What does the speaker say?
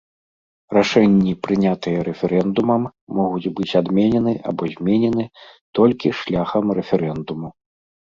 Рашэнні, прынятыя рэферэндумам, могуць быць адменены або зменены толькі шляхам рэферэндуму.